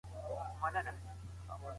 د زړو لارو څخه مه ځئ.